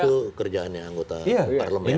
ini kan itu kerjaannya anggota parlemen